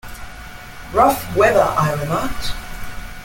‘Rough weather!’ I remarked.